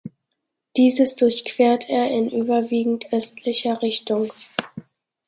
Dieses durchquert er in überwiegend östlicher Richtung.